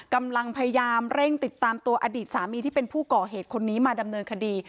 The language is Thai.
กำลังพยายามเร่งติดตามตัวอดีตสามีที่เป็นผู้ก่อเหตุคนนี้มาดำเนินคดี